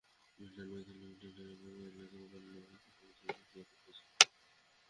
Midland bank limited এবং airlines company নভোএয়ারের মধ্যে একটি সমঝোতা চুক্তি স্বাক্ষরিত হয়েছে।